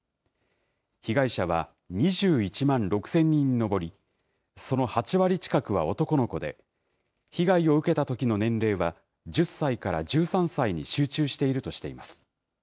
被害者は２１万６０００人に上り、その８割近くは男の子で、被害を受けたときの年齢は１０歳から１３歳に集中しているとしています。